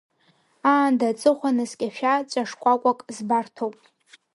Аанда аҵыхәан, наскьашәа, ҵәа шкәакәак збарҭоуп.